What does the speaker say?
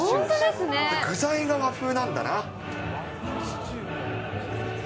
具材が和風なんだな。